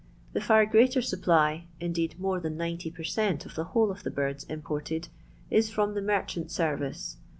The far greater supply, indeed more I per cent, of the whole of the birds im is from the merchant service.